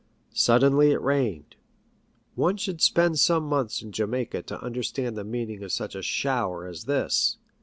Suddenly it rained. One should spend some months in Jamaica to understand the meaning of such a "shower" as this.